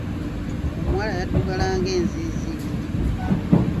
Omuwala yaddugala ng'enziiziiri.